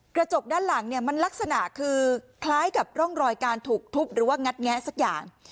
กระจกด้านหลังเนี่ยมันลักษณะคือคล้ายกับร่องรอยการถูกทุบหรือว่างัดแงะสักอย่าง